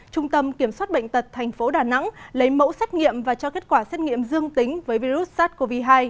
trung tâm kiểm soát bệnh tật tp đà nẵng lấy mẫu xét nghiệm và cho kết quả xét nghiệm dương tính với virus sars cov hai